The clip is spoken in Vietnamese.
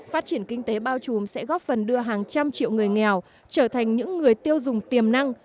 phát triển kinh tế bao trùm sẽ góp phần đưa hàng trăm triệu người nghèo trở thành những người tiêu dùng tiềm năng